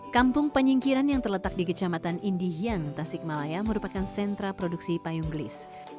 kampung penyingkiran yang terletak di kecamatan indihian tasikmalaya merupakan sentra produksi payung gelis